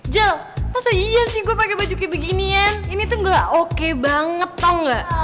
jel masa iya sih gue pake baju kayak beginian ini tuh gak oke banget tau gak